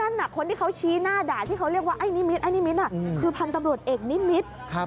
คนที่เขาชี้หน้าด่าที่เขาเรียกว่าไอ้นิมิตไอ้นิมิตรคือพันธุ์ตำรวจเอกนิมิตร